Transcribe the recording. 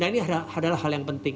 dan ini adalah hal yang penting